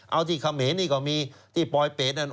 เอาที่เขมรนี่ก็มีที่ปลอยเป็ดนั่น